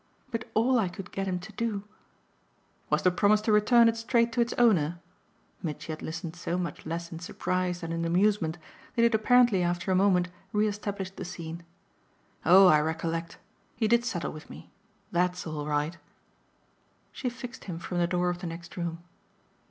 But all I could get him to do " "Was to promise to restore it straight to its owner?" Mitchy had listened so much less in surprise than in amusement that he had apparently after a moment re established the scene. "Oh I recollect he did settle with me. THAT'S all right." She fixed him from the door of the next room.